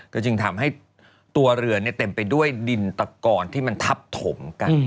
ก็จึงทำให้ตัวเรือเต็มไปด้วยดินตะกอนที่มันทับถมกัน